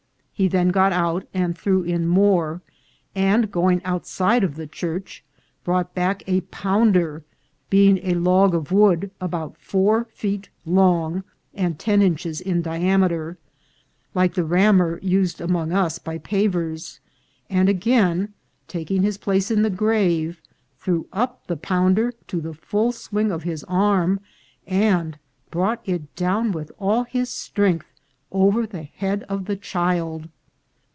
He then got out and threw in more, and, going outside of the church, brought back a pounder, being a log of wood about four feet long and ten inches in diameter, like the rammer used among us by paviors, and again taking his place in the grave, threw up the pounder to the full swing of his arm, and brought it down with all his strength over the head of the child.